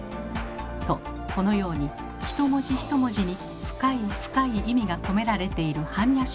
とこのように１文字１文字に深い深い意味が込められている般若心経。